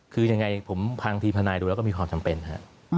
คือยังไงผมฟังทีมทนายดูแล้วก็มีความจำเป็นฮะ